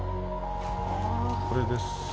これです。